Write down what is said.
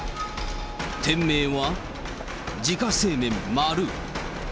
店名は、自家製麺丸。